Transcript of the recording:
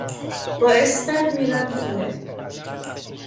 با اسنپ میرم خونه